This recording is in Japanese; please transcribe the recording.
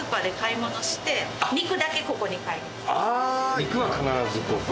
肉は必ずここ？